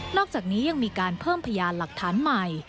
อกจากนี้ยังมีการเพิ่มพยานหลักฐานใหม่